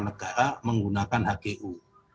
tanah negara menggunakan hgu